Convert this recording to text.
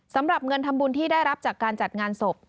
สำหรับเงินทำบุญที่ได้รับจากการจัดงานศพ